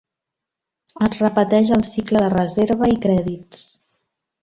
Es repeteix el cicle de reserva i Crèdits.